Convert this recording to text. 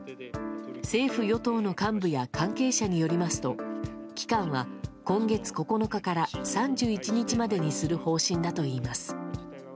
政府・与党の幹部や関係者によりますと期間は今月９日から３１日までにする方針だといいます。